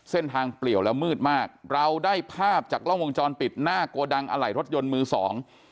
เส้นทางเปลี่ยวแล้วมืดมากเราได้ภาพจากล่องวงจรปิดหน้าโกดังอลัยรถยนต์มือสอง